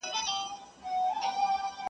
چي شهید مي په لحد کي په نازیږي -